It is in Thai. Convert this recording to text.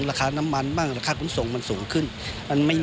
ประทานหิอการคาร์ดจังหวัดราชบุรีเชื่อว่า